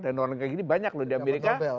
dan orang kayak gini banyak loh di amerika